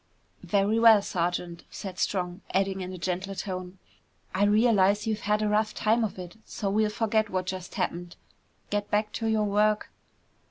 "Very well, Sergeant!" said Strong, adding in a gentler tone, "I realize you've had a rough time of it, so we'll forget what just happened. Get back to your work."